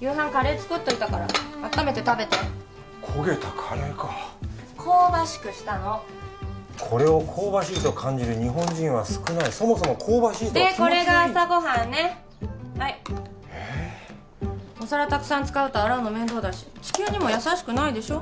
夕飯カレー作っといたからあっためて食べて焦げたカレーか香ばしくしたのこれを香ばしいと感じる日本人は少ないそもそも香ばしいとは気持ちのいいでこれが朝ご飯ねはいええっお皿たくさん使うと洗うの面倒だし地球にも優しくないでしょ